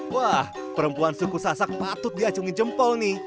wah perempuan suku sasak patut diacungi jempol nih